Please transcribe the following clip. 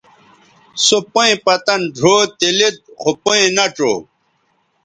سو پئیں پتَن ڙھؤ تے لید خو پئیں نہ ڇؤ